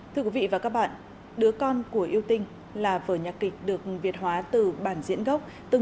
thưa quý vị và các bạn đứa con của yêu tinh là vở nhạc kịch được việt hóa từ bản diễn gốc